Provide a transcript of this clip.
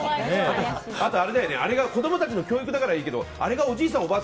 あれが子供たちの教育だからいいけどおじいさん